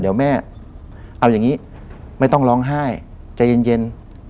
เดี๋ยวแม่เอาอย่างนี้ไม่ต้องร้องไห้ใจเย็น